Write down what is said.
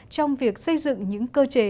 trong việc xây dựng những cơ chế